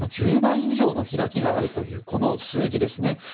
１０倍以上の開きがあるというこの数字ですね